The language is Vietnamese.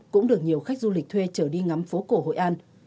cũng được nhiều khách du lịch thuê trở đi ngắm phố cổ hội an